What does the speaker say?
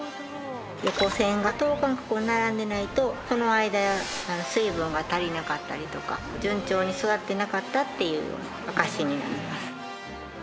横線が等間隔に並んでないとその間水分が足りなかったりとか順調に育ってなかったっていう証しになります。